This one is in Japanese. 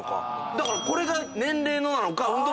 だからこれが年齢のなのか。